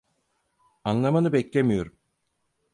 Anlamanı beklemiyorum.